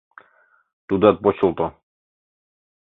Тудат почылто.